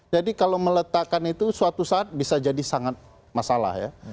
jadi kalau meletakkan itu suatu saat bisa jadi sangat masalah ya